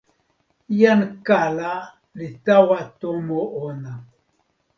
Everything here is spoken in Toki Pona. jan kala li tawa tomo ona.